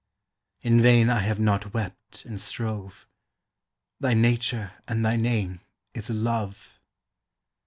In vain I have not wept and strove; Thy nature and thy name is Love.